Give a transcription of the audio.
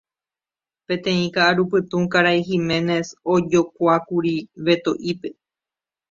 Peteĩ ka'arupytũ Karai Giménez ojokuáikuri Beto'ípe.